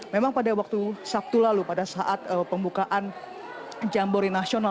memang pada waktu sabtu lalu pada saat pembukaan jambore nasional